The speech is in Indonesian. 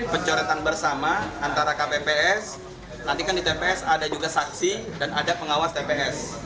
pencoretan bersama antara kpps nanti kan di tps ada juga saksi dan ada pengawas tps